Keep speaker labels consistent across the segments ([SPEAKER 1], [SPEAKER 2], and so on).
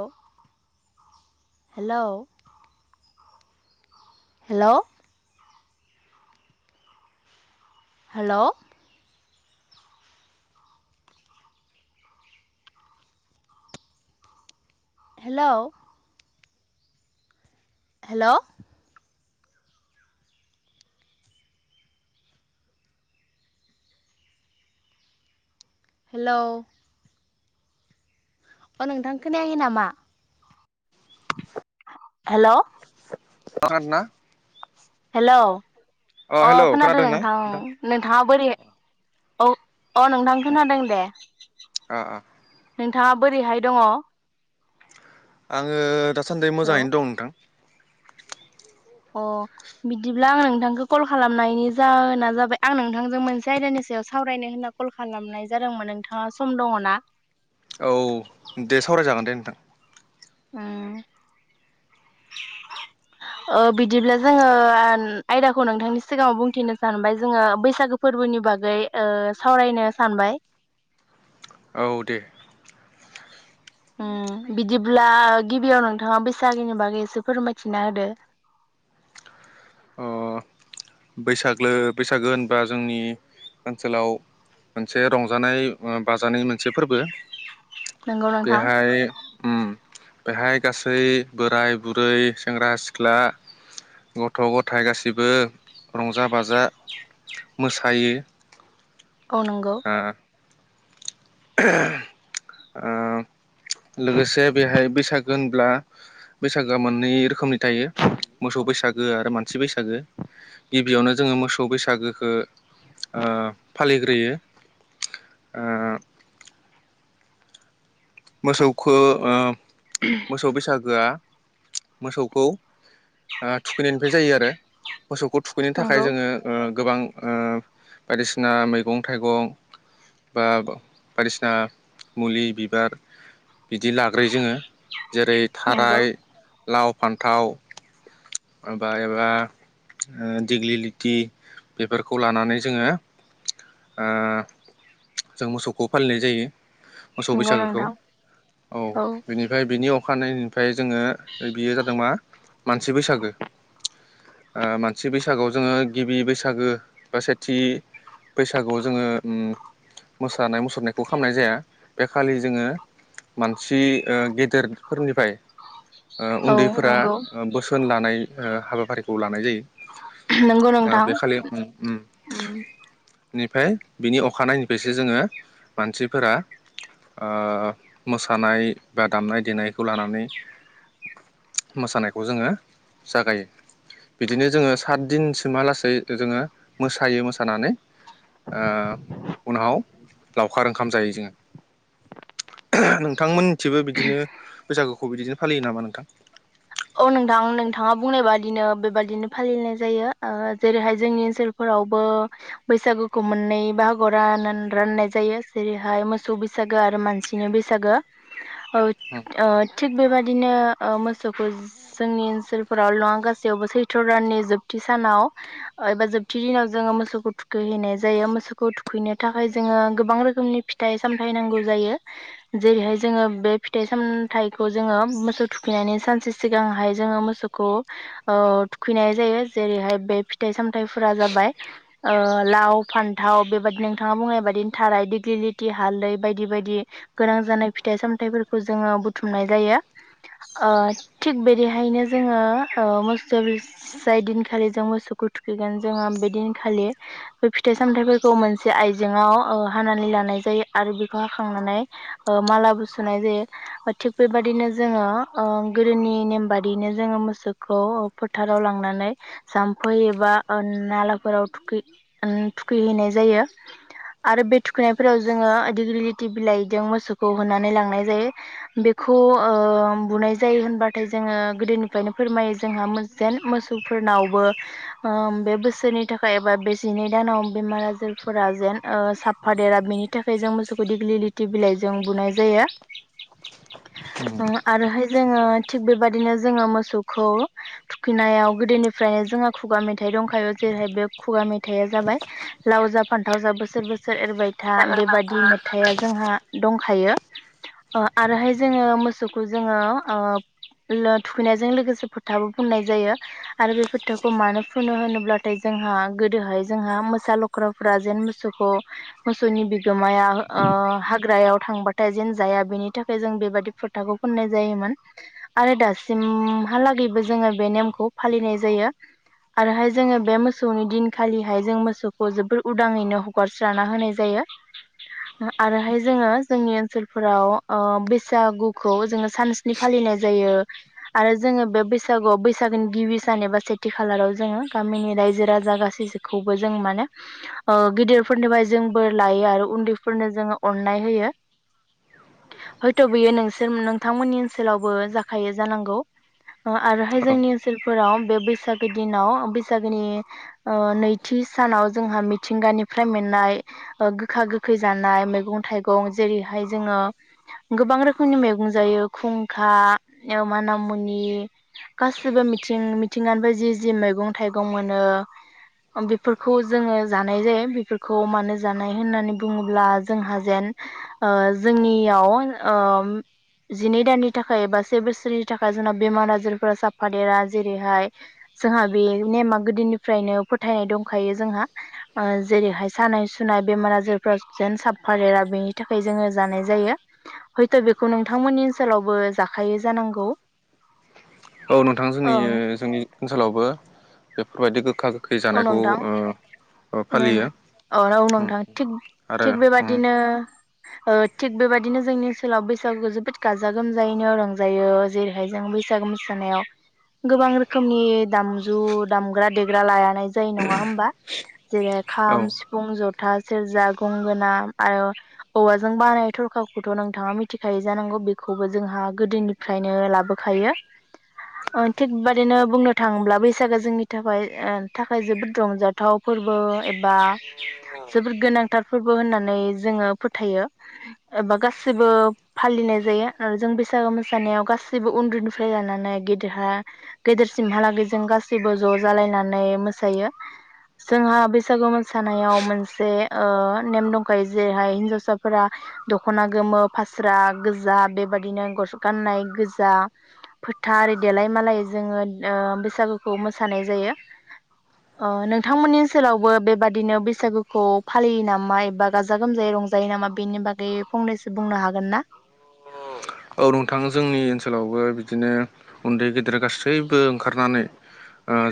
[SPEAKER 1] औ hello hello hello hello hello hello अ नोंथां खोनायाखै नामा
[SPEAKER 2] [unintelligible]
[SPEAKER 1] हेल'
[SPEAKER 2] खोनादोंना?
[SPEAKER 1] हेल' अ खोनादो नोंथां नोंथाङा बोरै औ। अ नोंथां खोनादों दे नोंथाङा बोरैहाय दङ?
[SPEAKER 2] आङो दासान्दि
[SPEAKER 1] हेल'
[SPEAKER 2] मोजाङैनो दं नोंथां।
[SPEAKER 1] अ बिदिब्ला आं नोंथांखौ कल खालामनायनि जाहोना जाबाय आं नोंथांजों मोनसे आयदानि सायाव सावरायनो होनना कल खालामनाय जादोंमोन नोंथाङा सम दङ ना?
[SPEAKER 2] औ दे सावरायजागोन दे नोंथां।
[SPEAKER 1] ओम बिदिब्ला जोङो आयदाखौ नोंथांनि सिगाङाव बुंथिनो सानबाय जोङो बैसागो फोरबोनि बागै ओ सावरायनो सानबाय।
[SPEAKER 2] औ दे।
[SPEAKER 1] ओम बिदिब्ला गिबियाव नोंथाङा बैसागोनि बागैसो फोरमायथिना होदो।
[SPEAKER 2] अ बैसाग्लो बैसागो होनबा जोंनि ओनसोलाव मोनसे रंजानाय बाजानाय मोनसे फोरबो।
[SPEAKER 1] नंगौ नोंथां
[SPEAKER 2] बेहाय ओ बेहाय गासै बोराय -बुरै, सेंग्रा -सिख्ला [unintelligible] गथ'- गथाइ गासिबो रंजा -बाजा मोसायो।
[SPEAKER 1] औ नंगौ।
[SPEAKER 2] [unintelligible] लोगोसे बेहाय बैसागो होनब्ला बैसागोआ मोननै रोखोमनि थायो मोसौ बैसागो आरो मानसि बैसागु। बैसागो गिबियावनो जोङो मोसौ बैसागोखो ओ फालिग्रोयो ओ मोसौखो ओ मोसौ बैसागोआ मोसौखौ ओ थुखैनायनिफ्राय जायो आरो। मोसौखौ थुखैनो थाखाय
[SPEAKER 1] नंगौ
[SPEAKER 2] जोङो ओ गोबां ओ बायदिसिना मैगं -थाइगं बा बायदिसिना मुलि बिबार बिदि लाग्रोयो जोङो जेरै थाराय
[SPEAKER 1] नंगौ
[SPEAKER 2] लाव फान्थाव माबा एबा दिग्लि लिटि बेफोरखौ लानानै ओ जोङो जों मोसौखौ फालिनाय जायो। मोसौ
[SPEAKER 1] नंगौ
[SPEAKER 2] बैसागोखौ
[SPEAKER 1] नोंथां
[SPEAKER 2] औ बिनिफ्राय बिनि अखानायै निफ्राय [unintelligible] फ्राय जोङो बियो जादों मा मानसि बैसागो। ओ मानसि बैसागोआव जोङो गिबि बैसागो बा सेथि बैसागोआव जोङो ओ मोसानाय मुसुरनायखौ खालामामनाय जाया बे खालि जोङो मानसि ओ गेदेर [unintelligible] फोरनिफ्राय ओ
[SPEAKER 1] औ
[SPEAKER 2] उन्दैफोरा
[SPEAKER 1] नंगौ
[SPEAKER 2] ओ बोसोन लानाय ओ हाबाफारिखौ [unintelligible] [unintelligible] जायो
[SPEAKER 1] नंगौ नोंथां
[SPEAKER 2] ओ खालि ओम ओम।
[SPEAKER 1] उम
[SPEAKER 2] बेनिफ्राय बिनि अखानायनायनिफ्रायसो जोङो मानसिफोरा ओ मोसानाय बा दामनाय देनायखौ लानानै मोसानायखौ जोङो जागायो। बिदिनो जोङो सात दिनसिमहालासै जोङो मोसायो मोसानानै ओ उनाव लावखारो ओंखाम जायो जोङो नोंथांमोन थिबो बिदिनो बैसागुखौ बिदिनो फालियो नामा नोंथां?
[SPEAKER 1] औ नोंथां नोंथाङा बुंनाय बादिनो बेबादिनो फालिनाय जायो। ओ जेरैहाय जोंनि ओनसोलफोरावबो बैसागोखौ मोननै बाहागोआव रान राननाय जायो। जेरैहाय मोसौ बैसागो आरो मानसिनि बैसागो औ ओ थिग बेबादिनो अ मोसौ जोंनि ओनसोल फोराव लङ गासैयावबो सैथ्र' दाननि जोबथि सानाव एबा जोबथि दिनाव जोङो मोसौखौ थुखैहैनाय जायो मोसौखौ थुखैनो थाखाय जोङो गोबां रोखोमनि फिथाइ सामथाय नांगौ जायो। जेरैहाय जोङो बे फिथाइ सामथायाइखौ जोङो मोसौ थुखैनायनि सान्स सिगांहाय जोङो मोसौखौ थुखैनाय ओ जायो। जेरैहाय बे फिथाइ सामथाइफोरा जाबाय ओ लाव फान्थाव बेबादि नोंथाङा बुङनाय बादिनो थाराय दिग्लिलिथि हालदै बायदि बायदि गोनां जानाय फिथाइ सामथाइफोरखौ जोङो बुथुमनाय जायो ओ थिग बेदिहायनो जोङो ओ मोसौ जाय दिनखालि जों मोसौखौ थुखैगोन जोङो बे दिनखालि बे फिथाइ सामथाइफोरखौ मोनसे आइजेंआव ओ हानानै लानाय जायो आरो बेखौ हाखांनानै मालाबोुसुनाय जायो थिग बेबाददिनो जोङो ओं गोदोनि नेम बादियैनो जोङो मोसौखौ फोथाराव लांनानै जाम्फै एबा नालाफोराव थुखै थुखैहैनाय जायो। आरो बे थुखैनायफोराव जोङो दिग्रि लथि बिलाइजों मोसौखौ होनानै लांनाय जायो बेखौ बुनाय जा जायो होनबाथाय जोङो गोदोनिफ्रायनो फोरमायो जोंहा जेन मोसौफोरनावबो ओ बे बोसोरनि थाखाय एबा बेसिनि दानाव बेमार आजारफोरा जेन ओ साफ देरा बेनि थाखाय जों मोसौखौ दिग्लि लिथि बिलाइजों बुनाय जायो। ओ आरोहाय जोङो थिग बेबायाददिनो जोङो मोसौखौ थुखैनायाव गोदोनिफ्रायनो जोंङहा खुगा मेथाइ दंखायो जेरैहाय बे खुगा मेथाइया जाबाय लाव जा फान्थाव जा बोसोर बोसोर एओरैबाय हा बेबादि मेथाइआ जोंहा दंखायो। आरोहाय जोङो मोसौखौ जोङो ओ थुखैनायजों लोगोसे फोथाबो फुननाय जायो। आरो बे फोथाखौ मानो फुनो होनोब्लाथाय जोंहा गोदोहाय जोंहा मोसा लख्राफ्रा जेन मोसौखौ मोसौनि बिगोमाया हाग्रायाव थांबाथाय जेन जाया बेनि थाखाय जों बेबाददि फोथाखौ फुननाय जायोमोन। आरो दासिमहालागैबो जोङो बे नेमखौ फालिनाय जायो। आरोहाय जोङो बे मोसौनि दिनखालिहाय जों मोसौखौ जोबोर उदाङैनो हगारस्रा होनाय जायो। आरोहाय जोङो जोंनि ओनसोलफोराव बैसागुखौ जोङो सानसे नि फालिनाय जायो। आरो जोङो बे बैसागुआव बैसागोनि गिबि सान एबा सेथि खालाराव जोङो गामिनि रायजो राजा गासैखौबो जों माने गिदिरफोरनिफ्राय जोंबो लायो आरो उन्दैफोरनो जोङो अननाय होयो हयथ' बियो नोंसोर नोंथांमोननि ओनसोलावबो जाखायो जानांगौ? आरोहाय जोंनि ओनसोलफोराव बे बैसागो दिनाव बैसागोनि नैथि सानाव जोंहा मिथिंगानिफ्राय मोननाय गोखा गोखै जानाय मैगं थाइगं जेरैहाय जोङो गोबां रोखोमनि मैगं जायो खुंखा माना मुनि गासिबो मिथिं मिथिंगानिफ्राय जि जि मैगं थाइगं मोनो बेफोरखौ जोङो जानाय जायो बेफोरखौ मानो जानाय होननानै बुङोब्ला जोंहा जेन जोंनियाव ओम जिनै दाननि थाखाय एबा से बोसोरनि थाखाय जोंना बेमार आजारफोरा्रा साफा देरा जेरैहाय जोंहा बे नेमा गोदोनिफ्रायनो फोथायनाय दंखायो जोंहा जेरैहाय सानाय सुनाय बेमार आजारफोरा्रा जेन साफा देरा बेनि थाखाय जोङो जानाय जायो हयथ' बेखौ नों नोंथांमोननि ओनसोलावबो जाखायै जानांगौ?
[SPEAKER 2] औ नोंथां जोंनि
[SPEAKER 1] ओं
[SPEAKER 2] जोंनि ओनसोलावबो बेफोरबायदि गोखा गो
[SPEAKER 1] औ नोंथां
[SPEAKER 2] फालियो
[SPEAKER 1] ओ अ
[SPEAKER 2] उम
[SPEAKER 1] नोंथां थिग
[SPEAKER 2] आरो
[SPEAKER 1] थिग
[SPEAKER 2] उम
[SPEAKER 1] बेबायदिनो ओ थिग बेबायाददिनो जोंनि ओनसोलाव बैसागुखौ जोबोद गाजा गोमजायैनो रंजायो जेरैहाय जों बैसागु मोसानायाव गोबां रोखोमनि दामजु दामग्रा देग्रा लाया लानाय जायो नङा होमबा? जेरै
[SPEAKER 2] औ
[SPEAKER 1] खाम सिफुं ज'था सेरजा गंगोना आरो औवाजों बानाय थरखाखौथ' नोंथाङा मिथिखायो जानांगौ बेखौबो जोंहा गोदोनिफ्रायनो लाबोखायो थिग बेाददिनो बुंनो थाङोब्ला बैसागो जोंनि थाखाय ओ थाखाय जोबोद रंजाथाव फोरबो एबा जोबोद गोनांथार फोरबो होननानै जोङो फोथायो एबा गासैबो फालिनाय जायो आरो जों बैसागो मोसानायाव गासैबो उन्दैुनिफ्राय लानानै गेदेरहा गेदेरसिमहालागै जों गाैबो ज' जालायनानै मो मोसायो जोंहा बैसागु मोसानायाव मोनसे ओ नेम दंखायो जेरैहाय हिनजावसाफोरा दख'ना गोमो फास्रा गोजा बेबाददिनो गस गाननाय गोजा फोथा आररि देलाय मालाय ओ जोङो बैसागुखौ मोसानाय जायो। अ नोंथांमोननि ओनसोलावबो बेबादिनो बैसागुखौ फालियो नामा एबा गाजा गोमजायै रंजायो नामा बेनि बागै फंनैसो बुंनो हागोन ना?
[SPEAKER 2] औ नोंथां जोंनि ओनसोलावबो बिदिनो उन्दै गेदेर गासैबो ओंखारनानै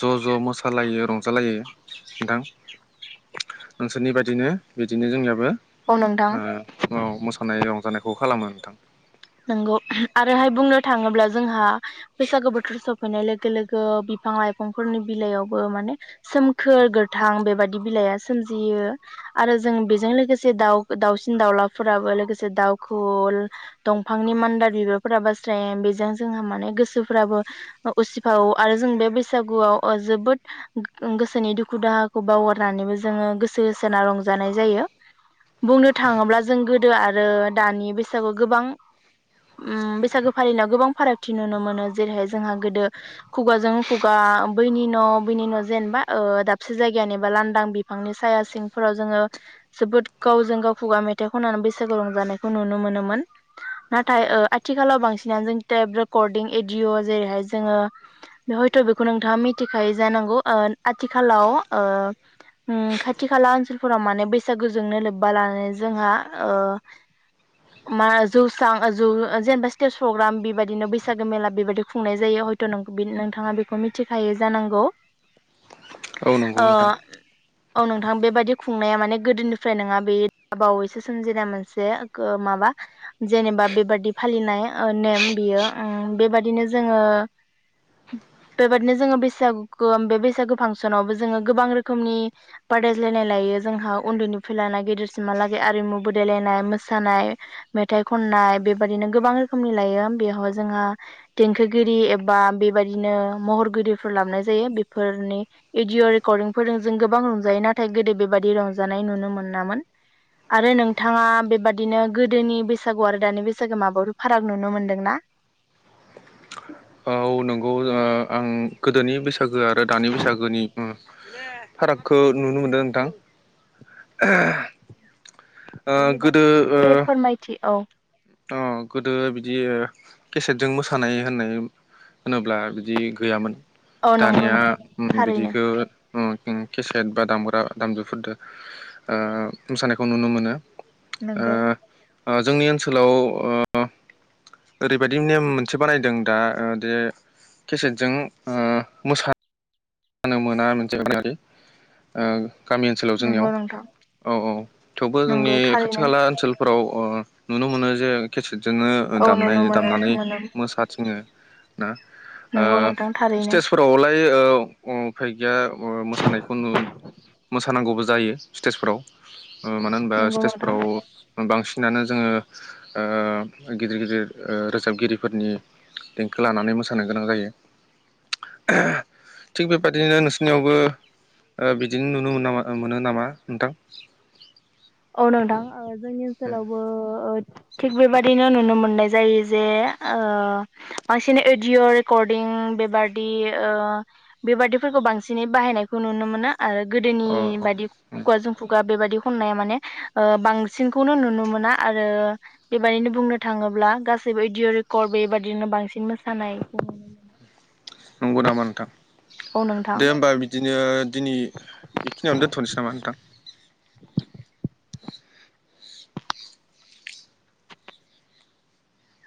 [SPEAKER 2] ज' ज' मोसालायो रंजालायो नोंथां नोंसोरनि बायदिनो बिदिनो जोंनियाबो औ मोसानाय रंजानायखौ खालामो नोंथां।
[SPEAKER 1] न आरोहाय बुंनो थाङोब्ला जोंहा बैसागु बोथोर सफ सफैनाय लोगो लोगो बिफां लाइफांफोरनि बिलाइयावबो माने सोमखोर गोथां बेबादि बिलाइआ सोमजियो आरो जों बेजों लोगोसे दाउ दाउसिन दाउलाफोराबो लोगोसे दाउखौवौ दंफांनि मान्दार बिबारफोरा बास्राय बेजों जोंहा माने गोसोफ्राबो उसिफावो आरो जों बे बैसागुआव जोबोद गोसोनि दुखु दाहाखौ बावगारनानैबो जोङो गोसो होसोना रंजानाय जायो बुंनो थाङोब्ला जों गोदो आरो दानि बैसागुआव गोबां बैसागो फालिनायाव गोबां फारागथि नुनो मोनो जेरैहाय जोंहा गोदो खुगाजों खुगा बैनि न' बैनि न' जेनेबा दाबसे जायगानिबा लांदां बिफांनि साया सिंफोराव जोङो जोबोद गावजों गाव खुगा मेथाइ खननानै बैसागो रंजानायखौ नुनो मोनोमोन नाथाय आथिखालाव बांसिनानो जों टाइप रेकर्डिं एदििअ' जेरैहाय जोङो हयथ' बेखौ नोंथाङा मिथिखायो जानांगौ आथिखालाव खाथि खाला ओनसोलफोराव माने बैसागुजोंनो लोब्बा लानानै जोंहा मा जौस्रां जौ जेनेबा स्टेज प्रग्राम बेबायदिनो बैसागो मेला बेबायदि खुंनाय जायो हयथ' नोंथाङा बेखौ मिथिखायै जानांगौ
[SPEAKER 2] औ नंगौ
[SPEAKER 1] आ
[SPEAKER 2] नोंथां
[SPEAKER 1] औ नोंथां बेबायदि खुंनाया माने गोदोनिफ्राय नङा बे द बावैसो सोमजिनाय मोनसे माबा जेनेबा बेबादि फालिनाय नेम बियो बेबादिनो जोङो बेबादिनो जोङो बैसागुखौ बे बैसागु फांसनावबो जोङो गोबां रोखोमनि बादायज्लायनाय लायो जोंहा उन्दैनिफ्राय लाना गेदेरसिमहालागै आरिमु बदायलायनाय मोसानाये मेथाइ खननाय बेबादिनो गोबां रोखोमनि लायो बेयावाय जोंहा देंखोगिरि एबा बेबायदिनो महरगिरिफोर लाबाय जायो बेफोरनि भडअ' रेकर्डिंफोरजों जों गोबां रंजायो नाथाय गोदो बेबादि रंजानाय नुनो मोनामोन आरो नोंथाङा बेबादिनो गोदोनि बे बैसागु आरो दानि बैसागु माबेयावबा फाराग नुनो मोनदोंना।
[SPEAKER 2] औ नंगौ आं गोदोनि बैसागु। बैसागु आरो दानि बैसागुनि। फारागखौ नुनो मोनदों नोंथां। ओं।
[SPEAKER 1] बेनि बागै एसे फोरमायथि औ।
[SPEAKER 2] अ गोदो बिदि केसेटजों मोसानाय होननाय होनोब्ला बिदि गैयामोन।
[SPEAKER 1] औ नंगौ
[SPEAKER 2] दानिया
[SPEAKER 1] नंगौ थारैनो
[SPEAKER 2] बिदिखौ। केसेट बा दामग्रा दामजुफोरजों मोसानायखौ नुनो मोनो। ओ
[SPEAKER 1] नंगौ।
[SPEAKER 2] जोंनि ओनसोलाव। ओनसोलाव ओरैबायदि नेम मोनसे बानायदों दा जे केसेटजों मोसा। मोसानो मोना मोनसे। गामि ओनसोलाव
[SPEAKER 1] नंगौ
[SPEAKER 2] जोंनियाव
[SPEAKER 1] नोंथां
[SPEAKER 2] औ औ थेवबो जोंनि
[SPEAKER 1] नंगौ
[SPEAKER 2] खाथि
[SPEAKER 1] थारैनो
[SPEAKER 2] खाला ओनसोलफोराव। नुनो मोनो जे केसेटजोंबो। जोंनो
[SPEAKER 1] औ
[SPEAKER 2] दामनाय
[SPEAKER 1] नुनो मोनो
[SPEAKER 2] दामनानै
[SPEAKER 1] मोनो
[SPEAKER 2] मोसाथिंङो। ना।
[SPEAKER 1] नंगौ नोंथां थारैनो
[SPEAKER 2] स्टेजफोरावलाय। उफाय गैया मोसानायखौ नुयो मोसानांगौबो जायो स्टेजफोराव। मानो होनबा
[SPEAKER 1] नंगौ नोंथां
[SPEAKER 2] स्टेजफ्राव बांसिन। बिदिनो जोङो गिदिर गिदिर रोजाबगिरिफोरनि देंखो लानानै मोसानो गोनां जायो। थिग बेबादिनो नोंसोरनियावबो बिदिनो नुनो मोनो नामा नोंथां।
[SPEAKER 1] औ नोंथां। जोंनि ओनसोलावबो। थिग बेबादिनो नुनो मोननाय जायो जे बांसिनै अडिय रेकर्डिं बेबादि बेबादिफोरखौ बांसिनै बाहायनायखौ नुनो मोनो। आरो गोदोनि
[SPEAKER 2] अ
[SPEAKER 1] बायदि खुगाजों खुगा। बेबायदि खननाया माने। बांसिनखौनो नुनो मोना आरो बेबायदिनो बुंनो थाङोब्ला गासैबो अडिअ रेकर्ड बेबादिनो बांसिन मोसानायखौ नुनो मोनो।
[SPEAKER 2] नंगौ नामा नोंथां
[SPEAKER 1] औ नोंथां
[SPEAKER 2] दे होमबा बिदिनो। दिनै बेखिनियावनो दोन्थनोसै नामा नोंथां।